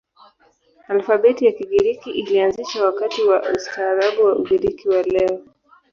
Alfabeti ya Kigiriki ilianzishwa wakati wa ustaarabu wa Ugiriki wa leo.